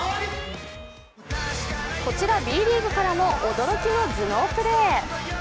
こちらＢリーグからも驚きの頭脳プレー。